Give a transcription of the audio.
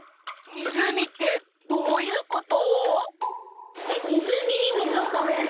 湖ってどういうこと？